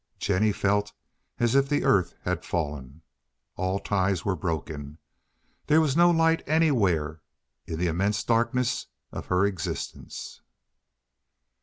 Jennie felt as if the earth had fallen. All ties were broken. There was no light anywhere in the immense darkness of her existence.